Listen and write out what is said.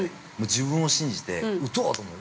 自分を信じて打とうと思って。